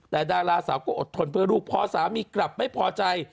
แต่ดาราสาวก็อดทนเพื่อลูกพอสามีกลับไม่พอใจ